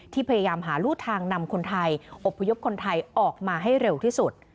พยายามหารูดทางนำคนไทยอบพยพคนไทยออกมาให้เร็วที่สุด